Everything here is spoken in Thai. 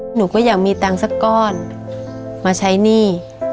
หนูก็อยากมีตังค์สักก้อนมาใช้หนี้